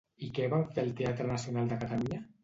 I què van fer al Teatre Nacional de Catalunya?